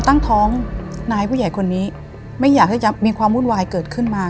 ตั้งท้องนายผู้ใหญ่คนนี้ไม่อยากให้จะมีความวุ่นวายเกิดขึ้นมา